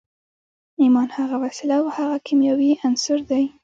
ايمان هغه وسيله او هغه کيمياوي عنصر دی.